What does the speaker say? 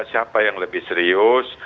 siapa yang lebih serius